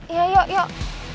iya yuk yuk